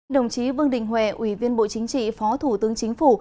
đồng chí vương đình huệ ủy viên bộ chính trị phó thủ tướng chính phủ